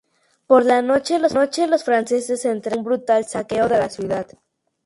Por la noche, los franceses se entregan a un brutal saqueo de la ciudad.